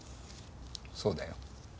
そうだよ。